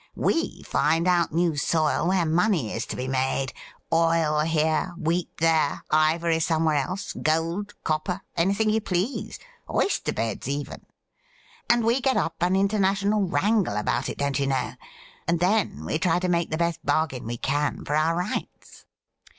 We find out new soil where money is to be made, oil here, wheat there, ivory somewhere else, gold, copper, anything you please — oyster beds even— RECRUITING SERGEANT WALEY 95 and we get up an international wrangle about it, don''t you know, and then we try to make the best bargain we can for our rights.